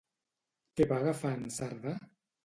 Què va agafar en Cerdà?